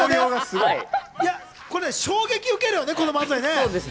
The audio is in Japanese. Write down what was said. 衝撃受けるよね。